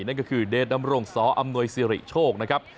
นั่นก็คือเดชดำรงสออำนวยสิริโชคนะครับ